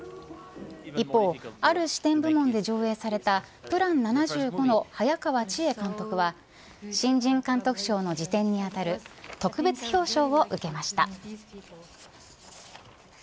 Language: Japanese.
一方、ある視点部門で上演されたＰＬＡＮ７５の早川千絵監督は新人監督賞の次点にあたる特別表彰を受けました。